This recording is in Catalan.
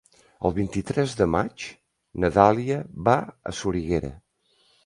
El vint-i-tres de maig na Dàlia va a Soriguera.